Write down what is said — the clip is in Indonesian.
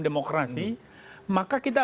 demokrasi maka kita